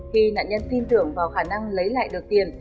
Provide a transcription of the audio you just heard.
khi nạn nhân tin tưởng vào khả năng lấy lại được tiền